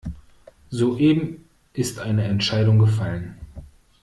Soeben ist eine Entscheidung gefallen.